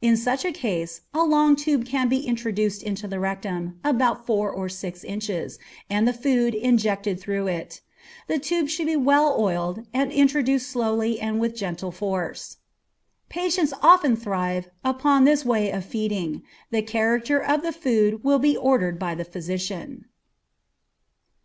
In such a case a long tube can be introduced into the rectum, about four or six inches, and the food injected through it. The tube should be well oiled, and introduced slowly and with gentle force. Patients often thrive upon this way of feeding. The character of the food will be ordered by the physician.